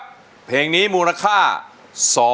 จากอิซูซูดีแมคซ์